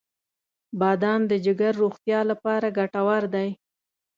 • بادام د جګر روغتیا لپاره ګټور دی.